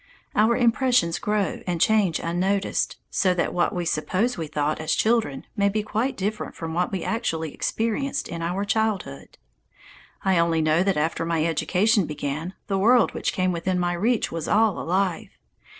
Our impressions grow and change unnoticed, so that what we suppose we thought as children may be quite different from what we actually experienced in our childhood. I only know that after my education began the world which came within my reach was all alive.